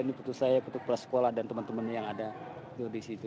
ini putus saya putus kepala sekolah dan teman teman yang ada di situ